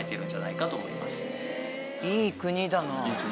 いい国だ。